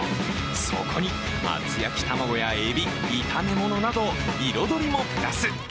そこに厚焼き卵やエビ炒め物など彩りもプラス。